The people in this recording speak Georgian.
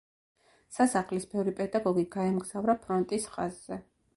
სასახლის ბევრი პედაგოგი გაემგზავრა ფრონტის ხაზზე.